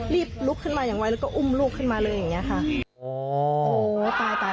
รีบลุกขึ้นมาอย่างไว้แล้วก็อุ้มลูกขึ้นมาเลยอย่างนี้ค่ะ